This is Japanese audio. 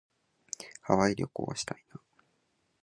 ハワイ旅行したいな。